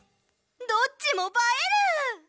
どっちもばえる！